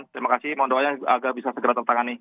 terima kasih mohon doanya agar bisa segera tertangani